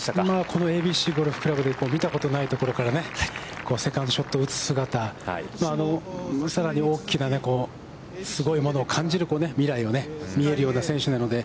このＡＢＣゴルフ倶楽部で見たことないところからセカンドショットを打つ姿、さらに大きなすごいものを感じる未来が見えるような選手なので。